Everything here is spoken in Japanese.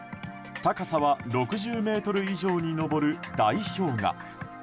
高さは６０ｍ以上に上る大氷河。